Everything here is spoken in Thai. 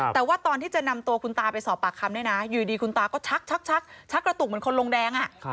แต่ว่าตอนที่จะนำตัวคุณตาไปสอบปากคำเนี่ยนะอยู่ดีคุณตาก็ชักชักกระตุกเหมือนคนลงแดง